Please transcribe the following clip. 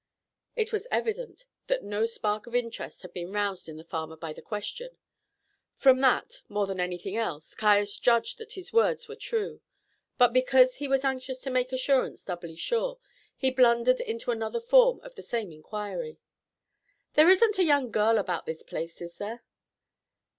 It was evident that no spark of interest had been roused in the farmer by the question. From that, more than anything else, Caius judged that his words were true; but, because he was anxious to make assurance doubly sure, he blundered into another form of the same inquiry: "There isn't a young girl about this place, is there?"